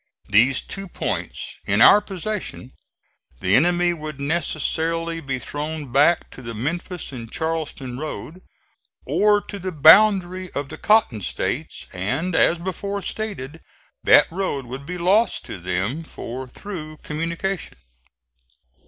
These two points in our possession the enemy would necessarily be thrown back to the Memphis and Charleston road, or to the boundary of the cotton states, and, as before stated, that road would be lost to them for through communication.